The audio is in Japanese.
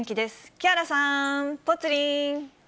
木原さん、ぽつリン。